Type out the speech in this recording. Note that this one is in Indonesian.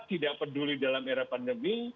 tidak peduli dalam era pandemi